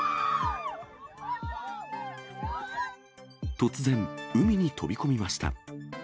突然、海に飛び込みました。